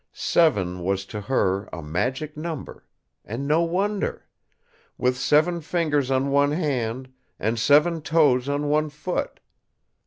Seven was to her a magic number; and no wonder. With seven fingers on one hand, and seven toes on one foot.